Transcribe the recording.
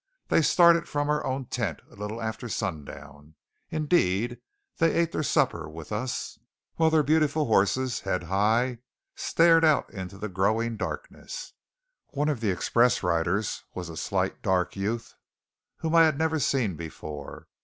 They started from our own tent, a little after sundown. Indeed, they ate their supper with us, while their beautiful horses, head high, stared out into the growing darkness. One of the express riders was a slight, dark youth whom I had never seen before.